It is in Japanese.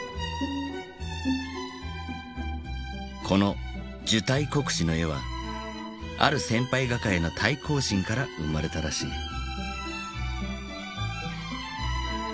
この「受胎告知」の絵はある先輩画家への対抗心から生まれたらしい。